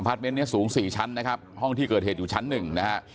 อพาร์ทเม้นท์เนี่ยสูง๔ชั้นนะครับห้องที่เกิดเหตุอยู่ชั้น๑นะฮะ